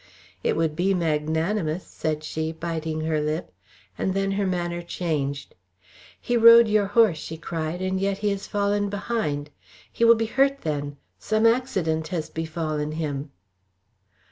"It would be magnanimous," said she biting her lip, and then her manner changed. "He rode your horse," she cried, "and yet he has fallen behind. He will be hurt then! Some accident has befallen him!"